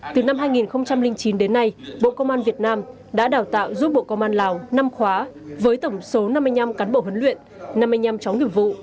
từ năm hai nghìn chín đến nay bộ công an việt nam đã đào tạo giúp bộ công an lào năm khóa với tổng số năm mươi năm cán bộ huấn luyện năm mươi năm chó nghiệp vụ